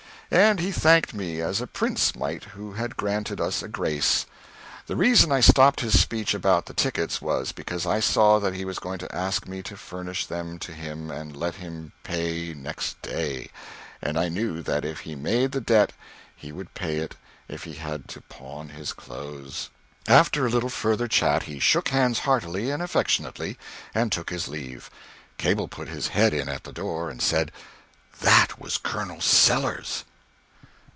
And he thanked me as a prince might who had granted us a grace. The reason I stopped his speech about the tickets was because I saw that he was going to ask me to furnish them to him and let him pay next day; and I knew that if he made the debt he would pay it if he had to pawn his clothes. After a little further chat he shook hands heartily and affectionately, and took his leave. Cable put his head in at the door, and said "That was Colonel Sellers."